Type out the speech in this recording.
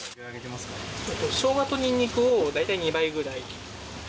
ショウガとニンニクを大体２倍くらい。